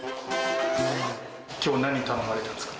きょう、何頼まれたんですか？